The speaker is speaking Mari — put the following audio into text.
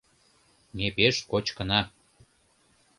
Ме пеш кочкына.